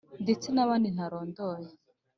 Ndetse n’abandi ntarondoye